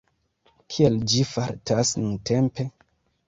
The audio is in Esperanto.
Kiel ĝi fartas nuntempe?